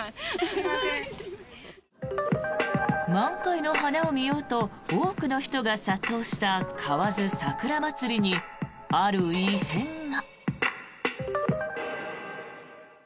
満開の花を見ようと多くの人が殺到した河津桜まつりにある異変が。